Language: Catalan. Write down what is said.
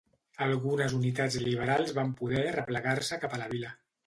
Algunes unitats liberals van poder replegar-se cap a la vila.